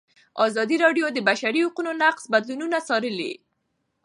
ازادي راډیو د د بشري حقونو نقض بدلونونه څارلي.